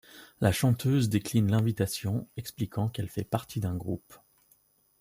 La chanteuse décline l'invitation, expliquant qu'elle fait partie d'un groupe.